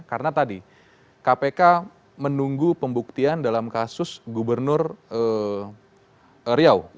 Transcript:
karena tadi kpk menunggu pembuktian dalam kasus gubernur riau